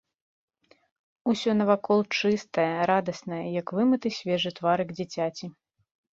Усё навакол чыстае, радаснае, як вымыты свежы тварык дзіцяці.